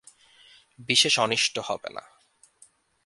বিশেষ অনিষ্ট হবে না।